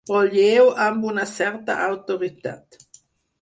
Brolleu amb una certa autoritat.